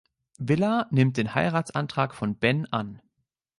Willa nimmt den Heiratsantrag von Ben an.